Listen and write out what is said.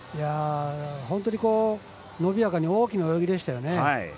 本当に伸びやかに大きな泳ぎでしたよね。